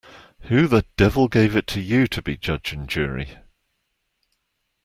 Who the devil gave it to you to be judge and jury.